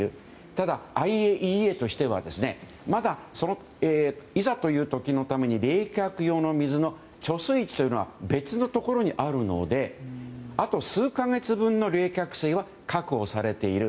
ただ、ＩＡＥＡとしてはまだ、いざという時のために冷却用の水の貯水池というのは別のところにあるのであと数か月分の冷却水は確保されている。